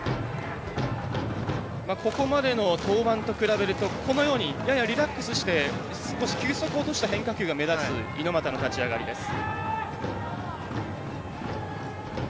ここまでの登板と比べるとややリラックスして少し球速を落とした変化球が目立つ猪俣の立ち上がりです。